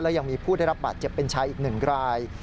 ยังมีผู้ได้รับบาดเจ็บเป็นชายอีกหนึ่งราย